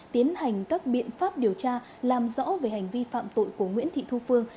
tiến hành các biện pháp điều tra làm rõ về hành vi phạm tội của nguyễn thị thu phương